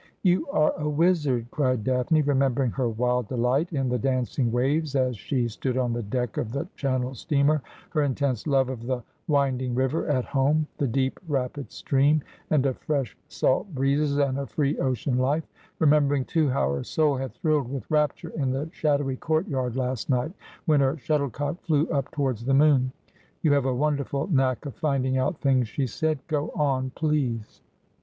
' You are a wizard,' cried Daphne, remembering her wtld delight in the dancing waves as she stood on the deck of the Channel steamer, her intense love of the winding river at home — the deep, rapid stream — and of fresh salt breezes, and a free ocean life ; remembering, too, how her soul had thrilled with rapture in the shadowy courtyard last night, when her shuttle cock flew up towards the moon. ' You have a wonderful knack of finding out things,' she said. ' Go on, please.'